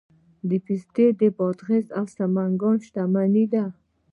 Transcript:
پسته د بادغیس او سمنګان شتمني ده.